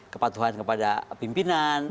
kepatuhan kepada pimpinan